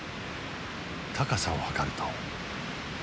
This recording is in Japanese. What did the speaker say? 高さを測ると。